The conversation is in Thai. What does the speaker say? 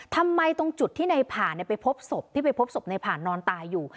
ตรงจุดที่ในผ่านไปพบศพที่ไปพบศพในผ่านนอนตายอยู่